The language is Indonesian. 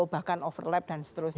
bahkan overlap dan seterusnya